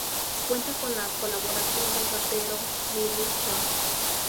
Cuenta con la colaboración del rapero Lil Jon.